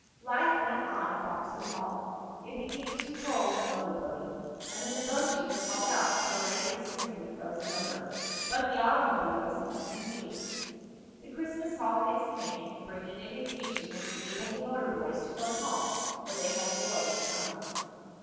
Life went on at Boxwood Hall. It became too cold for motor boating, and the Neboje was hauled out, for the lake would soon be frozen over. But the automobile was kept in use. The Christmas holidays came, bringing a vacation which enabled the motor boys to go home, where they had glorious times.